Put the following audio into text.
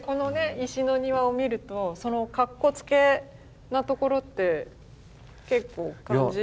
石の庭を見るとかっこつけなところって結構感じます？